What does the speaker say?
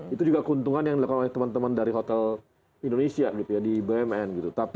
itu juga keuntungan yang dilakukan oleh teman teman dari hotel indonesia di bumn gitu